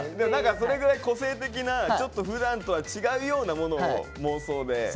何かそれぐらい個性的なちょっとふだんとは違うようなものを妄想で。